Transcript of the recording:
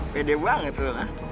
pede banget lo lah